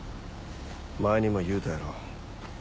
前にも言うたやろ？